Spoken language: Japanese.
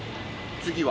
次は？